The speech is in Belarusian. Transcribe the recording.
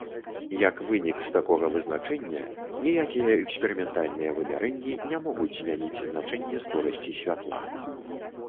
Як вынік з такога вызначэння, ніякія эксперыментальныя вымярэнні не могуць змяніць значэнне скорасці святла.